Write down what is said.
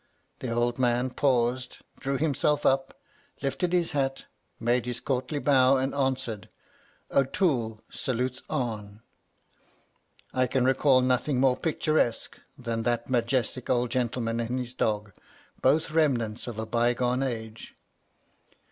The old man paused, drew himself up, lifted his hat, made his courtly bow, and answered, 'O'Toole salutes Arne.' I can recall nothing more picturesque than that majestic old gentleman and his dog, both remnants of a bygone age.